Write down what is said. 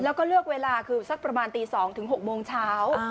แล้วก็เลือกเวลาคือสักประมาณตี๒ถึง๖โมงเช้า